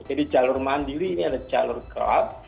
jadi jalur mandiri ini adalah jalur kelab